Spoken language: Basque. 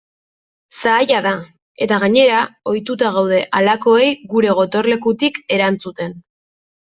Zaila da eta gainera ohituta gaude halakoei gure gotorlekutik erantzuten.